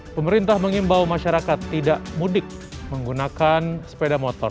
pemerintah mengimbau masyarakat tidak mudik menggunakan sepeda motor